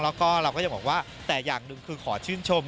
แล้วก็เราก็จะบอกว่าแต่อย่างหนึ่งคือขอชื่นชม